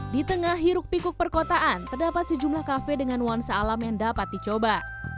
di tengah hiruk pikuk perkotaan terdapat sejumlah kafe dengan nuansa alam yang dapat dicoba